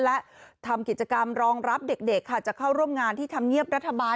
และทำกิจกรรมรองรับเด็กค่ะจะเข้าร่วมงานที่ธรรมเนียบรัฐบาล